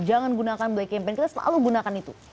jangan gunakan black campaign kita selalu gunakan itu